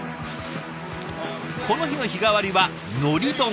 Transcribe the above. この日の日替わりはのり丼。